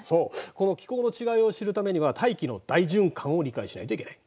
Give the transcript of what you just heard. この気候の違いを知るためには大気の大循環を理解しないといけない。